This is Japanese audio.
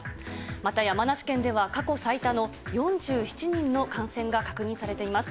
また山梨県では過去最多の４７人の感染が確認されています。